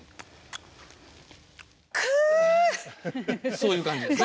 そういう感じですね。